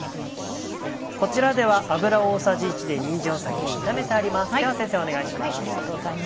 こちらでは油大さじ１でにんじんを先に炒めてありますでは先生お願いします。